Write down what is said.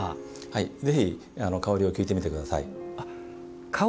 ぜひ、香りを聞いてみてください。